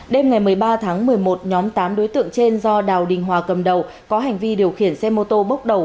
đêm ngày một mươi ba tháng một mươi một nhóm tám đối tượng trên do đào đình hòa cầm đầu có hành vi điều khiển xe mô tô bốc đầu